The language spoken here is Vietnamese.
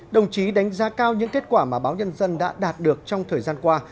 đồng chí đánh giá cao những kết quả mà báo nhân dân đã đạt được trong thời gian qua